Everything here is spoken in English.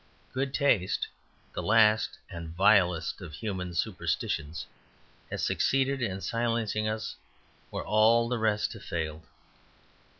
Good taste, the last and vilest of human superstitions, has succeeded in silencing us where all the rest have failed.